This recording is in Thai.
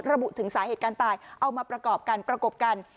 ระบุถึงสาเหตุการณ์ตายเอามาประกอบกันประกบกัน